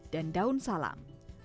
dan daun salam